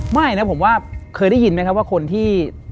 ไม่นะผมว่าเคยได้ยินไหมครับว่าคนที่